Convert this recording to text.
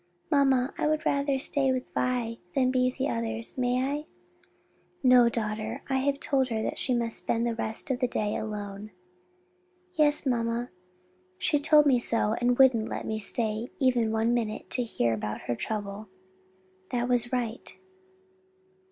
"Mamma, I would rather stay with Vi, than be with the others. May I?" "No, daughter, I have told her she must spend the rest of the day alone." "Yes, mamma, she told me so and wouldn't let me stay even one minute to hear about her trouble." "That was right."